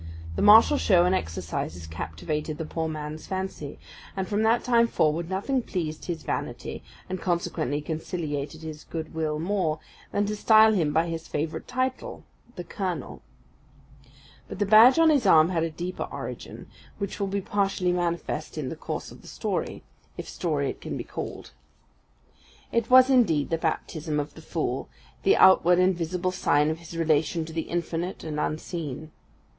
The martial show and exercises captivated the poor man's fancy; and from that time forward nothing pleased his vanity, and consequently conciliated his goodwill more, than to style him by his favourite title the Colonel. But the badge on his arm had a deeper origin, which will be partially manifest in the course of the story if story it can be called. It was, indeed, the baptism of the fool, the outward and visible sign of his relation to the infinite and unseen.